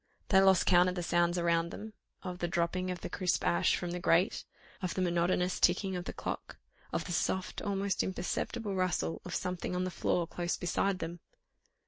They lost count of the sounds around them, of the dropping of crisp ash from the grate, of the monotonous ticking of the clock, of the soft, almost imperceptible rustle of something on the floor close beside them.